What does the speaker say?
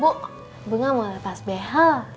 bu bu gak mau lepas bh